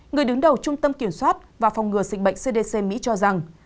người đứng đầu trung tâm kiểm soát và phòng ngừa dịch bệnh cdc mỹ cho rằng